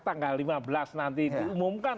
tanggal lima belas nanti diumumkan